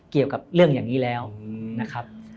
เกี่ยวกับเรื่องอย่างนี้แล้วนะครับ